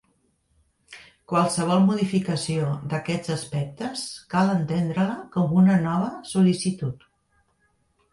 Qualsevol modificació d'aquests aspectes cal entendre-la com una nova sol·licitud.